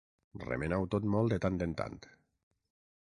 Remena-ho tot molt de tant en tant.